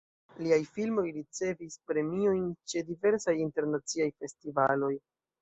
Liaj filmoj ricevis premiojn ĉe diversaj internaciaj festivaloj.